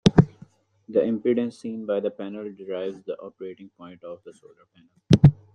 The impedance seen by the panel derives the operating point of the solar panel.